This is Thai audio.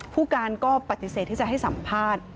ผู้การก็ปฏิเสธที่จะให้สัมภาษณ์